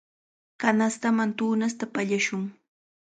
Kanastaman tunasta pallashun.